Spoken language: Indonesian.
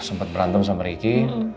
sempet berantem sama ricky